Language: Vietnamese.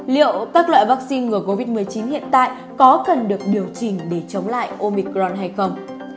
liệu các loại vaccine ngừa covid một mươi chín hiện tại có cần được điều chỉnh để chống lại omicron hay không